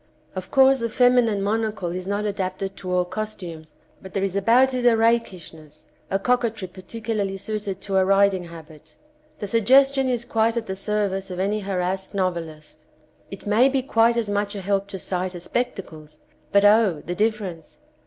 Of course the feminine monocle is not adapted to all costumes, but there is about it a rakishness, a coquetry particularly suited 226 Romance and Eyeglasses to a riding habit. The suggestion is quite at the service of any harassed noveUst. It may be quite as much a help to sight as spectacles, but, O, the difference